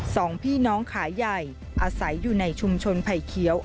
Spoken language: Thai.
สองพี่น้องขายใหญ่อาศัยอยู่ในชุมชนไผ่เขียว